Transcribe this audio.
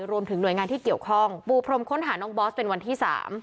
รวมถึงหน่วยงานที่เกี่ยวข้องปูพรมค้นหาน้องบอสเป็นวันที่๓